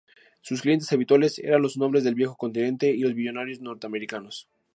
Sus clientes habituales eran los nobles del Viejo Continente y los millonarios norteamericanos.